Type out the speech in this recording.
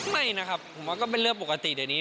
ไม่นะครับผมว่าก็เป็นเรื่องปกติเดี๋ยวนี้